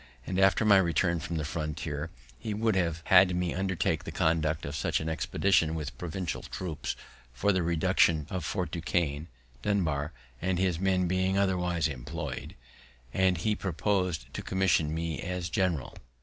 And, after my return from the frontier, he would have had me undertake the conduct of such an expedition with provincial troops, for the reduction of Fort Duquesne, Dunbar and his men being otherwise employed; and he proposed to commission me as general.